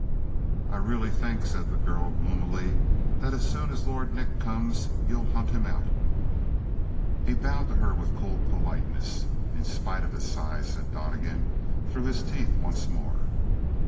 "I really think," said the girl gloomily, "that as soon as Lord Nick comes, you'll hunt him out!" He bowed to her with cold politeness. "In spite of his size," said Donnegan through his teeth once more.